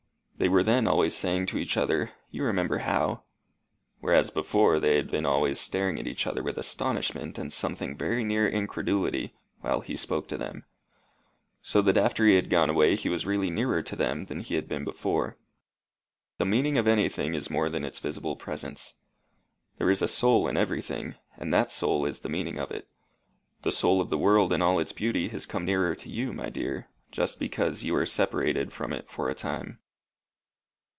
They were then always saying to each other, 'You remember how;' whereas before, they had been always staring at each other with astonishment and something very near incredulity, while he spoke to them. So that after he had gone away, he was really nearer to them than he had been before. The meaning of anything is more than its visible presence. There is a soul in everything, and that soul is the meaning of it. The soul of the world and all its beauty has come nearer to you, my dear, just because you are separated from it for a time."